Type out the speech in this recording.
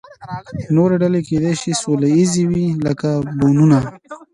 نورې ډلې کیدای شي سوله ییزې وي، لکه بونوبو.